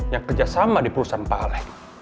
yang kerja sama di perusahaan pak alek